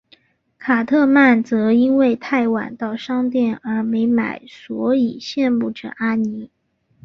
卡特曼则因为太晚到商店而没买所以羡慕着阿尼。